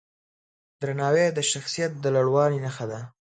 درناوی د شخصیت د لوړوالي نښه ده.